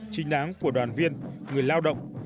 chính đáng của đoàn viên người lao động